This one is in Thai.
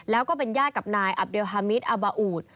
แล้วก็เป็นญาติกับนายอับเลฮามิตอาบาอูด